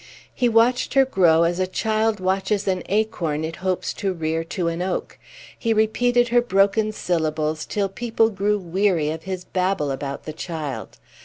He watched her growth as a child watches an acorn it hopes to rear to an oak. He repeated her broken baby syllables till people grew weary of his babble about the child.